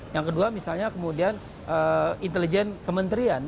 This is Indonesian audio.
yang kedua misalnya kemudian intelijen kementerian